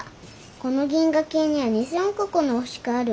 この銀河系には２，０００億個の星がある。